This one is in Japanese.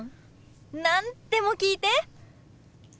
何でも聞いて。